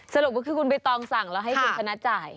สรุปก็คือคุณใบตองสั่งแล้วให้คุณชนะจ่าย